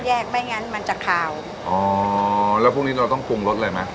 ต้มแยกไม่งั้นมันจะคาวอ๋อแล้วพรุ่งนี้เราต้องปรุงรสเลยมั้ย